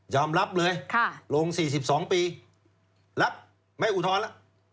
รับเลยลง๔๒ปีรับไม่อุทธรณ์แล้ว